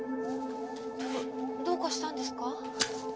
どどうかしたんですか？